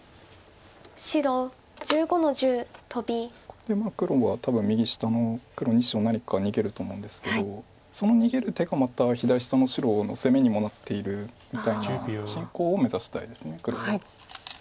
これで黒は多分右下の黒２子を何か逃げると思うんですけどその逃げる手がまた左下の白の攻めにもなっているみたいな進行を目指したいです黒は。